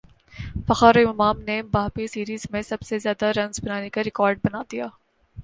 فخر اور امام نے باہمی سیریز میں سب سے زیادہ رنز بنانے کاریکارڈ بنادیا